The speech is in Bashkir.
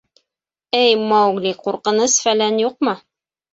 — Эй, Маугли, ҡурҡыныс-фәлән юҡмы?